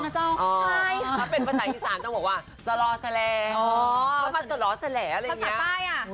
เพราะมันสล่อแสลอะไรอย่างนี้